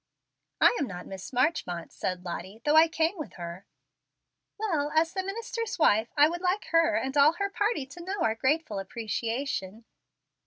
"I am not Miss Marchmont," said Lottie, "though I came with her." "Well, as the minister's wife, I would like her and all her party to know of our grateful appreciation."